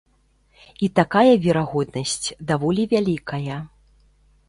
І такая верагоднасць даволі вялікая.